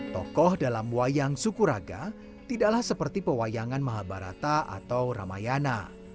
tokoh dalam wayang sukuraga tidaklah seperti pewayangan mahabarata atau ramayana